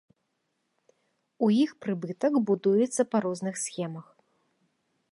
У іх прыбытак будуецца па розных схемах.